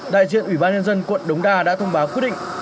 đại diện ủy ban nhân dân quận đống đa đã thông báo quyết định